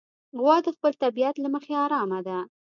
غوا د خپل طبیعت له مخې ارامه ده.